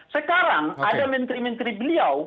sekarang ada menteri menteri beliau